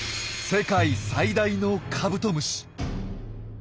世界最大のカブトムシ。